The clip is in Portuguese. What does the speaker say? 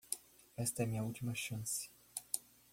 Esta é minha última chance.